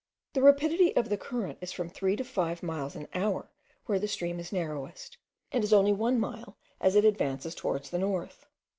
The rapidity of the current is from three to five miles an hour where the stream is narrowest, and is only one mile as it advances towards the north.